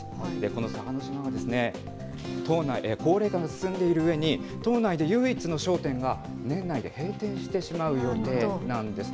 この嵯峨島は島内、高齢化が進んでいるうえに、島内で唯一の商店が年内で閉店してしまう予定なんです。